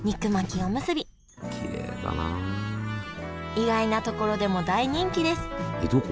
意外なところでも大人気ですえっどこ？